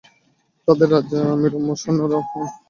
তাদের রাজা, আমীর-উমারা ও সৈন্য-সামন্ত ধ্বংস হয়ে গেল।